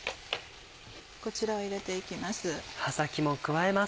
こちらを入れて行きます。